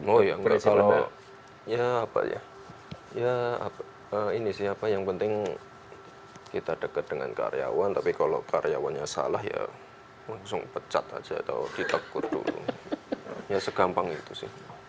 oh ya enggak kalau ya apa ya ya ini sih apa yang penting kita dekat dengan karyawan tapi kalau karyawannya salah ya langsung pecat aja atau ditekut dulu ya segampang itu sih